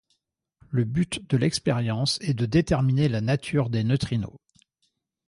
Le but de l'expérience et de déterminer la nature des neutrinos.